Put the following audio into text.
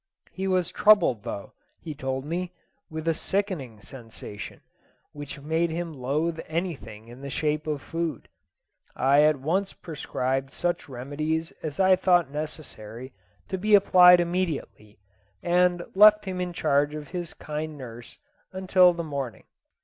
He was troubled though, he told me, with a sickening sensation, which made him loathe anything in the shape of food. I at once prescribed such remedies as I thought necessary to be applied immediately, and left him in charge of his kind nurse until the morning.